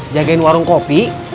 jagain warung kopi